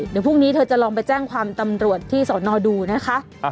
เดี๋ยวพรุ่งนี้เธอจะลองไปแจ้งความตำรวจที่สอนอดูนะคะ